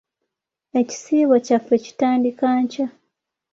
Ekisiibo kyaffe kitandika nkya.